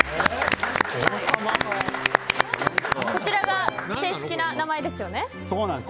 こちらが正式な名前ですよね？